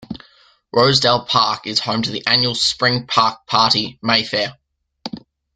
Rosedale Park is home to the annual spring park party, Mayfair.